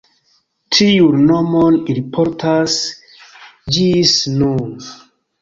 Tiun nomon ili portas ĝis nun.